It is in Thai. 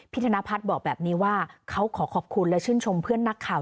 ธนพัฒน์บอกแบบนี้ว่าเขาขอขอบคุณและชื่นชมเพื่อนนักข่าว